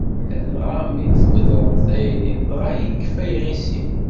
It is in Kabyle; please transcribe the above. Ladɣa mi d-tbedreḍ tayri, dɣa yekfa yiɣisi.